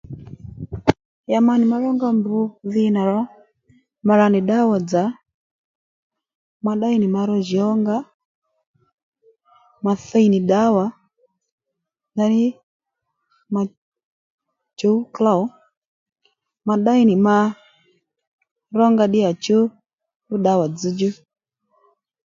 Ya ma nì ma rónga mb dhi nà ro ma rà nì ddǎwà-dzà ma ddéy nì ma ró jǔw ónga ma thiy nì ddǎwà ndaní ma chǔw klôw ma ddéy nì ma rónga ddíyàchú fú ddǎwà dzzdjú